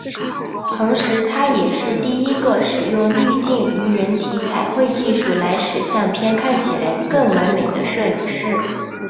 同时他也是第一个使用滤镜与人体彩绘技术来使相片看起来更完美的摄影师。